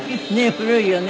古いよね。